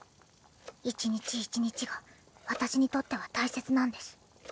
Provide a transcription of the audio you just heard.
一日一日が私にとっては大切なんです。